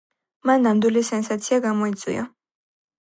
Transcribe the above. მან ნამდვილი სენსაცია გამოიწვია.